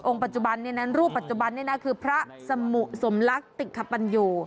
องค์ปัจจุบันนี่นั้นรูปปัจจุบันนี่นั้นคือพระสมุสมลักติขปัญโย